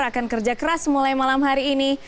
akan kerja keras mulai malam hari ini